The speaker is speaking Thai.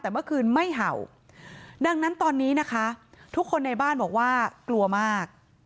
แต่เมื่อคืนไม่เห่าดังนั้นตอนนี้นะคะทุกคนในบ้านบอกว่ากลัวมาก